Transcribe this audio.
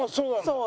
そう。